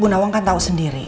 bu nawang kan tahu sendiri